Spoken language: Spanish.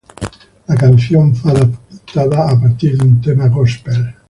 La canción fue adaptada a partir de un tema gospel.